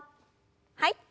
はい。